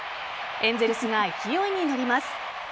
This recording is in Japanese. エンゼルスが勢いに乗ります。